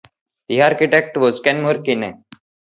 The architect was Kenmure Kinna.